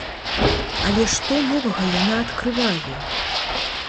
Але што новага яна адкрывае?